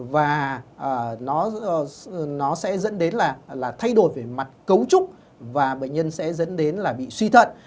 và nó sẽ dẫn đến là thay đổi về mặt cấu trúc và bệnh nhân sẽ dẫn đến là bị suy thận